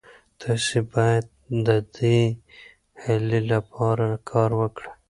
تاسي باید د دې هیلې لپاره کار وکړئ.